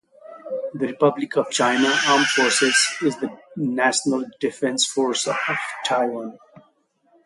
The Republic of China Armed Forces is the National Defense Force of Taiwan.